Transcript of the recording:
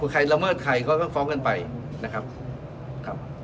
ใครละเมิดใครเขาก็ฟ้องกันไปนะครับ